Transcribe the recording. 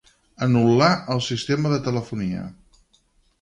Anul·lar el sistema de telefonia.